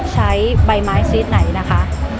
ใช้ใบไม้ซีสไหนนะคะ